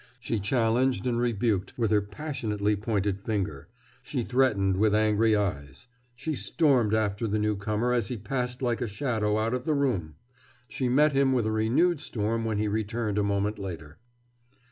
She challenged and rebuked with her passionately pointed finger; she threatened with angry eyes; she stormed after the newcomer as he passed like a shadow out of the room; she met him with a renewed storm when he returned a moment later.